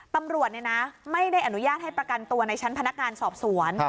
ตำรวจไม่ได้อนุญาตให้ประกันตัวในชั้นพนักงานสอบสวน